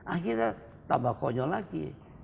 akhirnya tambah konyol lagi